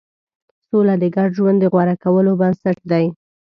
سوله د ګډ ژوند د غوره کولو بنسټ دی.